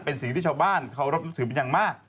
เป็นสิ่งที่ชาวบ้านเคารพนับถือเป็นอย่างมาก